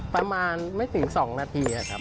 ประมาณไม่ถึง๒นาทีครับ